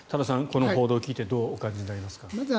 この報道を聞いてどうお感じになりますか？